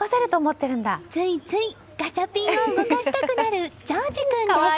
ついついガチャピンを動かしたくなる丈慈君です。